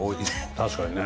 確かにね。